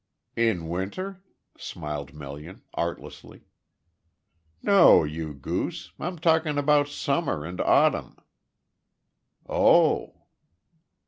"In winter?" smiled Melian artlessly. "No, you goose. I'm talking about summer and autumn." "Oh!"